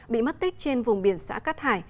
bị mất tích trên vùng biển xã cát hải